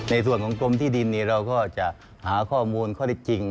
ในส่วนของกรมที่ดินเราก็จะหาข้อมูลข้อได้จริง